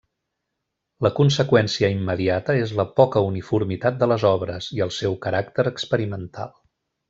La conseqüència immediata és la poca uniformitat de les obres i el seu caràcter experimental.